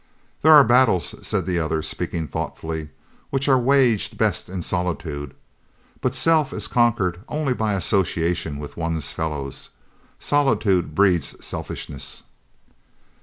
"There are battles," said the other, speaking thoughtfully, "which are waged best in solitude, but self is conquered only by association with one's fellows. Solitude breeds selfishness."